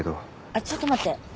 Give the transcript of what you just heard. ちょっと待って。